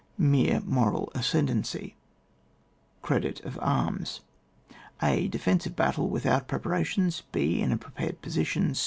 — Mere moral ascendancy — Credit of arms. a. Defensive battle without pre paration. 6. In a prepared posi tion.